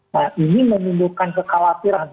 nah ini menimbulkan kekhawatiran